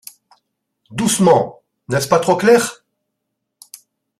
Doucement ! n’est-ce pas trop clair ?